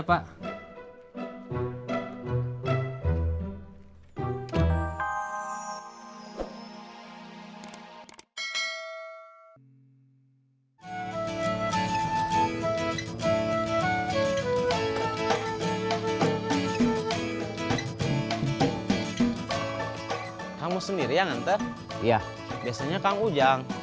biasanya kamu ujang